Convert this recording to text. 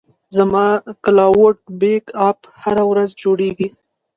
زما کلاوډ بیک اپ هره ورځ جوړېږي.